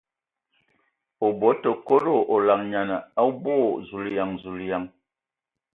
O bɔ tǝ kodo ! O laŋanǝ o boo !... Zulayan ! Zulǝyan!